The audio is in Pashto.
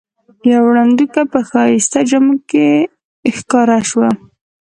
یوه ړندوکۍ په ښایسته جامو کې ښکاره شوه.